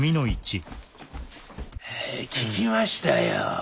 聞きましたよ。